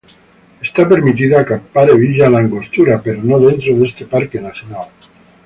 Está permitido acampar en Villa La Angostura pero no dentro de este parque nacional.